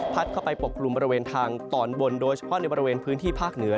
เข้าไปปกกลุ่มบริเวณทางตอนบนโดยเฉพาะในบริเวณพื้นที่ภาคเหนือ